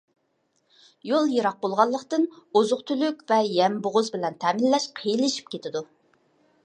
يول يىراق بولغانلىقتىن، ئوزۇق-تۈلۈك ۋە يەم-بوغۇز بىلەن تەمىنلەش قىيىنلىشىپ كېتىدۇ.